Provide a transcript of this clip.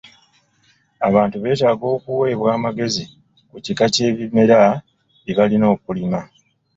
Abantu beetaaga okuweebwa amagezi ku kika ky'ebimera bye balina okulima.